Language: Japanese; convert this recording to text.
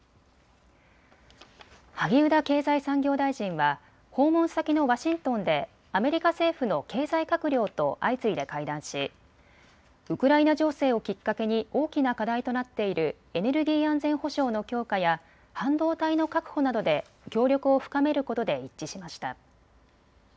萩生田経済産業大臣は訪問先のワシントンでアメリカ政府の経済閣僚と相次いで会談しウクライナ情勢をきっかけに大きな課題となっているエネルギー安全保障の強化や半導体の確保などで協力を深めることで一致しました。